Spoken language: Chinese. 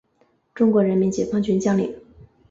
中国人民解放军将领。